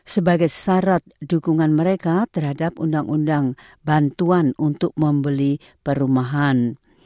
sebagai syarat dukungan mereka terhadap undang undang bantuan untuk membeli perumahan